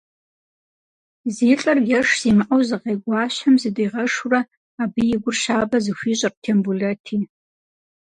Зи лӏыр еш зимыӏэу зыгъей Гуащэм зыдигъэшурэ, абы и гур щабэ зыхуищӏырт Тембулэти.